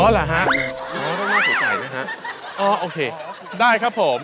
อ๋อเหรอฮะโอเคได้ครับผม